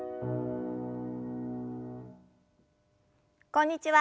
こんにちは